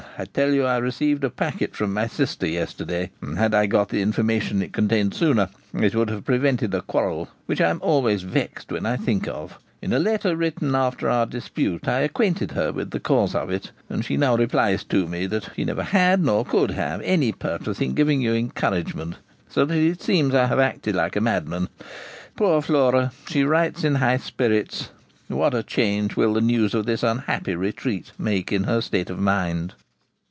I tell you I received a packet from my sister yesterday, and, had I got the information it contains sooner, it would have prevented a quarrel which I am always vexed when I think of. In a letter written after our dispute, I acquainted her with the cause of it; and she now replies to me that she never had, nor could have, any purpose of giving you encouragement; so that it seems I have acted like a madman. Poor Flora! she writes in high spirits; what a change will the news of this unhappy retreat make in her state of mind!'